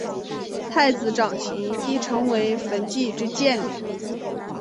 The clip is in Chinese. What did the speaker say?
太子长琴亦成为焚寂之剑灵。